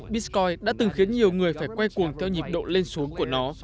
bitcoin đã từng khiến nhiều người phải quay cuồng theo nhịp độ lên xuống của nó